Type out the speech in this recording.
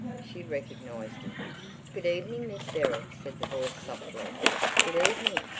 She recognized him. "Good evening, Miss Beryl," said the voice softly. "Good evening."